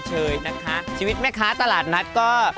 ชมเชยนะคะ